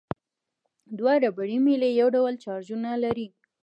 دوه ربړي میلې یو ډول چارجونه لري.